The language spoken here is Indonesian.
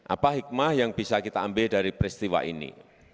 apa hikmah yang bisa kita ambil dari peristiwa ini